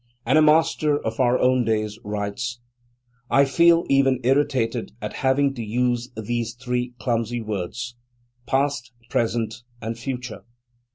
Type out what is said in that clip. And a Master of our own days writes: "I feel even irritated at having to use these three clumsy words—past, present, and future.